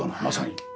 まさに。